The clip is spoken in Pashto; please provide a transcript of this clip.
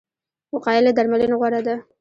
وقایه له درملنې غوره ده